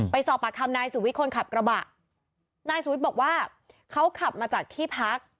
สอบปากคำนายสุวิทย์คนขับกระบะนายสุวิทย์บอกว่าเขาขับมาจากที่พัก